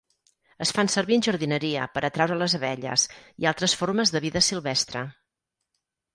Es fan servir en jardineria per atraure les abelles i altres formes de vida silvestre.